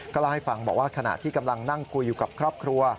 เล่าให้ฟังบอกว่าขณะที่กำลังนั่งคุยอยู่กับครอบครัว